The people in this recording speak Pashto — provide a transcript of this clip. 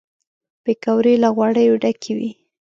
پکورې له غوړیو ډکې وي